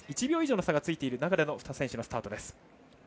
１秒以上の差がついている中での２選手のスタートです。